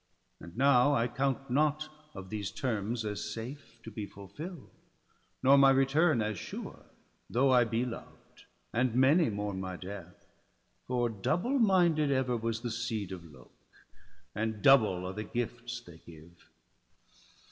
And now I count not of these terms as safe To be fulfill'd, nor my return as sure, Though I be loved, and many mourn my death ; For double minded ever was the seed Of Lok, and double are the gifts they give.